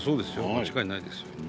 間違いないですよ。